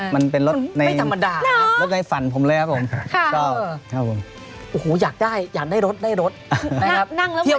มันเป็นรถในฝันผมเลยครับผม